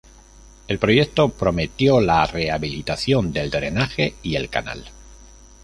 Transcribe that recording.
El proyecto prometió la rehabilitación del drenaje y el canal.